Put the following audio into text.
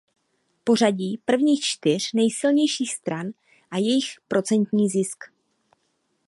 Pořadí prvních čtyř nejsilnějších stran a jejich procentní zisk.